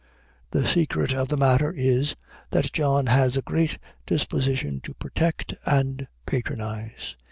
The secret of the matter is, that John has a great disposition to protect and patronize.